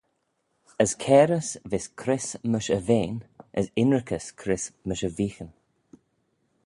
As cairys vees cryss mysh e vean, as ynrickys cryss mysh e veeghyn.